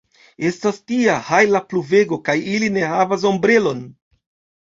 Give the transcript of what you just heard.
Estas tia hajla pluvego kaj ili ne havas ombrelon!